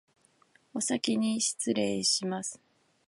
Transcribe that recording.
おさきにしつれいします